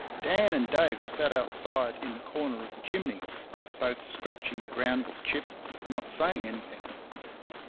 Dan and Dave sat outside in the corner of the chimney, both scratching the ground with a chip and not saying anything.